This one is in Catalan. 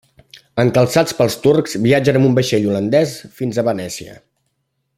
Encalçats pels turcs, viatgen amb un vaixell holandès fins a Venècia.